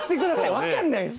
わかんないです。